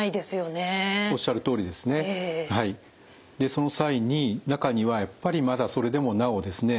その際に中にはやっぱりまだそれでもなおですね